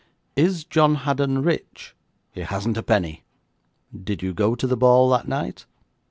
'Is John Haddon rich?' 'He hasn't a penny.' 'Did you go to the ball that night?'